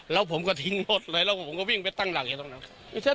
แล้วผมก็ทิ้งรถเลยแล้วผมก็วิ่งไปตั้งหลักอยู่ตรงนั้น